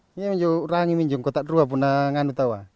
ini untuk mengurangi untuk melepaskan